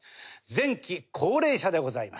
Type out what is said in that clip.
前期高齢者でございます。